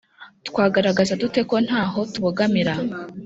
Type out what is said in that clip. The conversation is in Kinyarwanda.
Twagaragaza dute ko nta ho tubogamira